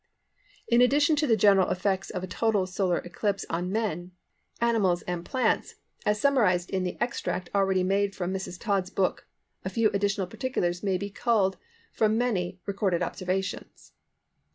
In addition to the general effects of a total solar eclipse on men, animals, and plants as summarised in the extract already made from Mrs. Todd's book a few additional particulars may be given culled from many recorded observations.